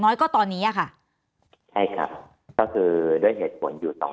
น้อยก็ตอนนี้อ่ะค่ะใช่ครับก็คือด้วยเหตุผลอยู่สอง